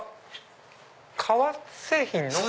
革製品の。